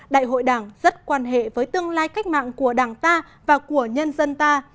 đại hội đảng rất quan hệ với tương lai cách mạng của đảng ta và của nhân dân ta